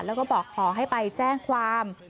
แล้วก็บอกขอให้ไปแจ้งความ